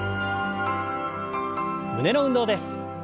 胸の運動です。